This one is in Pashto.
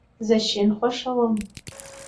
زه شین خوښوم